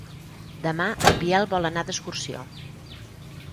Demà en Biel vol anar d'excursió.